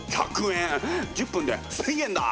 １０分で１，０００円だ！